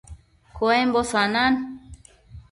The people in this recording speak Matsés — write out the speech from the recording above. Cuembo sanan